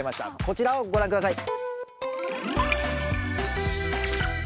こちらをご覧下さい！